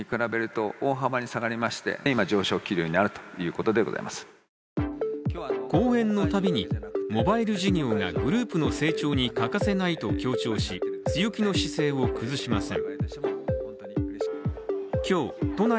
それでも三木谷社長は講演のたびにモバイル事業がグループの成長に欠かせないと強調し強気の姿勢を崩しません。